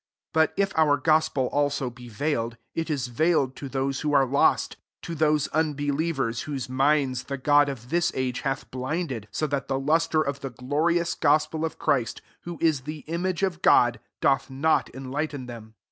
3 But if our gos pel also be veiled, it is veil ed to those who are lost ;t 4 to those unbelievers, whose minds the god of this age hath blinded ; so that the lustre of the glorious gospel of Christ, who is the image of God, doth not enlighten them.